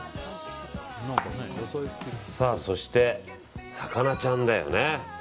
そして、魚ちゃんだよね。